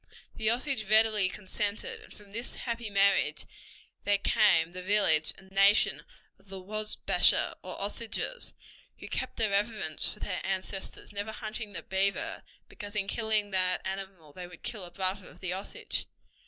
The Osage readily consented, and from this happy marriage there came the village and the nation of the Wasbasha, or Osages, who kept a reverence for their ancestors, never hunting the beaver, because in killing that animal they would kill a brother of the Osage.